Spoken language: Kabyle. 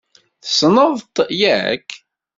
Tessneḍ-t, yak?